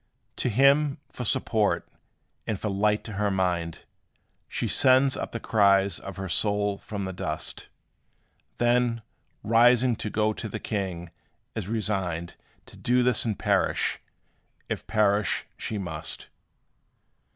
To him, for support, and for light to her mind, She sends up the cries of her soul from the dust; Then, rising to go to the king, is resigned To do this and perish, if perish she must.